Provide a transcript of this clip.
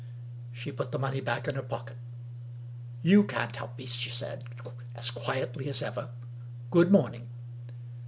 She put the money back in her pocket. " You can't help me," she said, as quietly as ever. " Good morning."